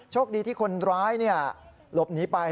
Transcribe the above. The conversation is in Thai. โชคดีที่คนร้ายหลบหนีไป